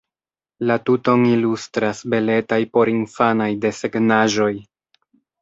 La tuton ilustras beletaj porinfanaj desegnaĵoj.